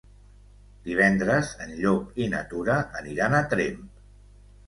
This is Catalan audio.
Divendres en Llop i na Tura aniran a Tremp.